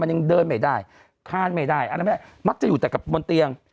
มันยังเดินไม่ได้ข้าไม่ได้อันแหละมักจะอยู่แต่กับบนเตียง